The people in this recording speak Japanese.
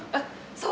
そう。